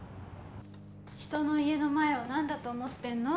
人の家の前を何だと思ってんの？